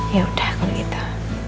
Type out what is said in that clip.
yaudah kalau gitu